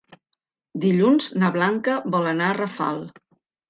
Dilluns na Blanca vol anar a Rafal.